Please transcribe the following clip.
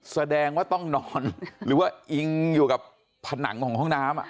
แสดงว่าต้องนอนหรือว่าอิงอยู่กับผนังของห้องน้ำ